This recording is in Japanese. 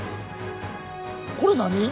これ何？